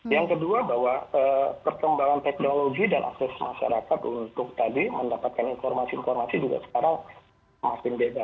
yang kedua bahwa perkembangan teknologi dan akses masyarakat untuk tadi mendapatkan informasi informasi juga sekarang semakin beda